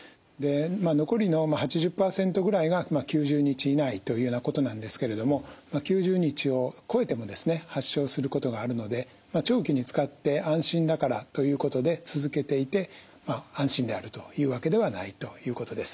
残りの８０％ぐらいが９０日以内というようなことなんですけれども９０日を超えてもですね発症することがあるので長期に使って安心だからということで続けていて安心であるというわけではないということです。